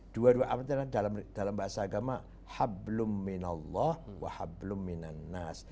dua dua amanat ini dalam bahasa agama